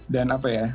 dan apa ya